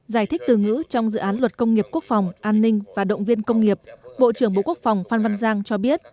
giải thích từ ngữ trong dự án luật công nghiệp quốc phòng an ninh và động viên công nghiệp bộ trưởng bộ quốc phòng phan văn giang cho biết